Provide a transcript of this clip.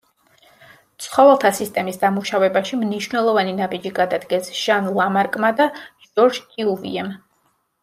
ცხოველთა სისტემის დამუშავებაში მნიშვნელოვანი ნაბიჯი გადადგეს ჟან ლამარკმა და ჟორჟ კიუვიემ.